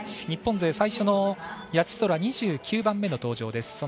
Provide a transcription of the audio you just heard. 日本勢最初の谷地宙２９番目の登場です。